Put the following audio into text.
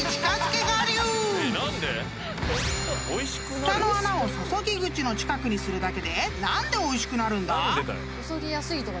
［ふたの穴を注ぎ口の近くにするだけで何でおいしくなるんだ？］